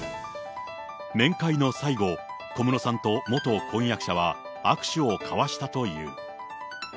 面会の最後、小室さんと元婚約者は握手を交わしたという。